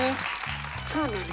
そうなの？